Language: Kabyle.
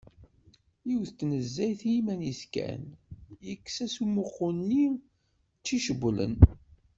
Yiwet n tnezzayt iman-is kan, yekkes-as umɛuqqu-nni tt-icewlen.